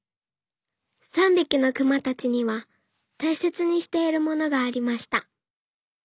３びきのくまたちにはたいせつにしているものがありました。